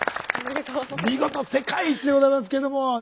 見事世界一でございますけども。